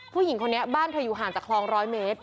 ผู้หญิงคนนี้บ้านเธออยู่ห่างจากคลองร้อยเมตร